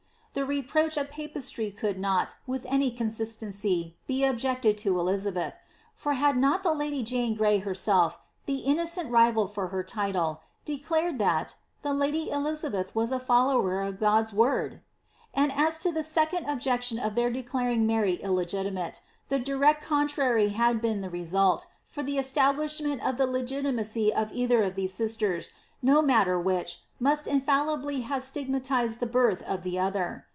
Tiie reproach of papistry could not, with any consistency, be objected to Elizabeth ; for, bad not the ladv Jane Grav herself, the innocent rival to her title, de clared that ^ the lady Elizabeth was a follower of God's word ?"' And as to the second objection of \heir declaring Mary illegitimate, the direct contrary would have been the result, for the establishment of the legiti macy of either of these sisters, no matter which, must infallibly have stigmatized the birth of the other.